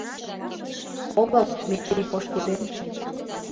— Огыл, Метрий пошкудем!